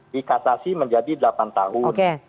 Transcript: dikasasi menjadi delapan tahun